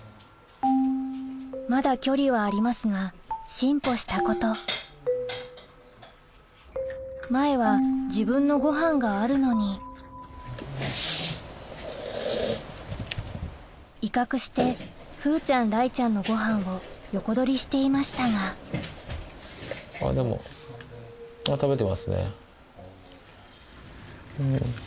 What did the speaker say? まだ距離はありますが進歩したこと前は自分のごはんがあるのに威嚇して風ちゃん雷ちゃんのごはんを横取りしていましたがあっでもあっ食べてますね。